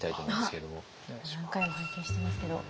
何回も拝見してますけど。